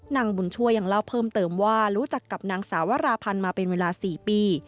นางบุญช่วยยังเล่าเพิ่มเติมว่ารู้จักกับนางสาวราพันธ์มาเป็นเวลา๔ปี